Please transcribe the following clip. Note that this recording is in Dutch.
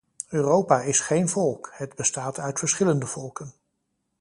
Europa is geen volk, het bestaat uit verschillende volken.